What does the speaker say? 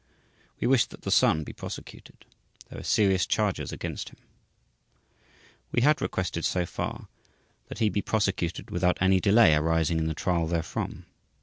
We wish that the son be prosecuted. There are serious charges against him. We had requested, so far, that he be prosecuted without any delay arising in the Trial therefrom.